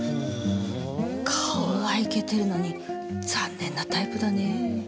顔はイケてるのに残念なタイプだねぇ。